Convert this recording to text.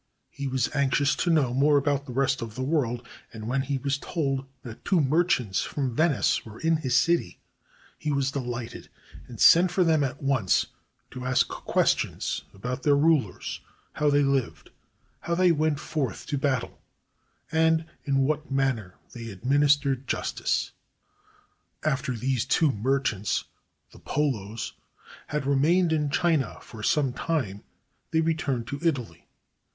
He was anxious to know more about the rest of the world, and when he was told that two merchants from Venice were in his city, he was delighted and sent for them at once to ask questions about their rulers, how they lived, how they went forth to battle, and in what manner they administered justice. After these two merchants, the Polos, had remained in China for some time, they returned to Italy.